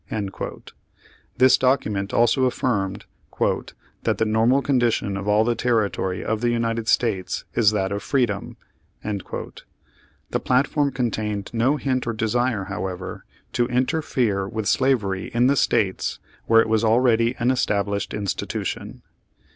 This document also affirmed "that the normal condition of all the territory of the United States is that of Freedom." The platform con tained no hint or desire, however, to interfere with slavery in the States where it was already an established institution.